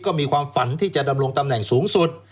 ก็มีความฝันที่จะดำรงตำแหน่งสูงสุด